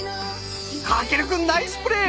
翔くんナイスプレー！